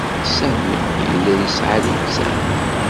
Sami yella yesɛa littseɛ.